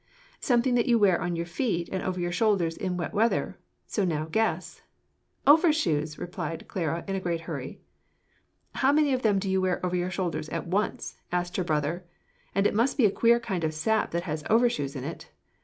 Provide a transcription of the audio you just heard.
"Something that you wear on your feet and over your shoulders in wet weather; so now guess." "Overshoes!" replied Clara, in a great hurry. "How many of them do you wear over your shoulders at once?" asked her brother. "And it must be a queer kind of sap that has overshoes in it.